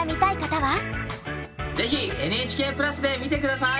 是非「ＮＨＫプラス」で見て下さい！